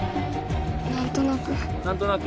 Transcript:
何となく何となく？